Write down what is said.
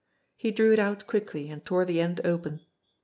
He drew it out quickly, and tore the end open.